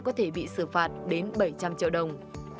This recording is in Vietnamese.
có thể bị xử phạt đến bảy trăm linh triệu đồng